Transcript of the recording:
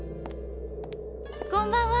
こんばんは！